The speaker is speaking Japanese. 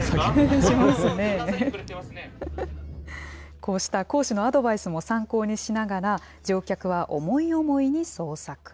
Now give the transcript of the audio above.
こうした講師のアドバイスも参考にしながら、乗客は思い思いに創作。